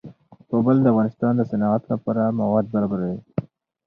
کابل د افغانستان د صنعت لپاره مواد برابروي.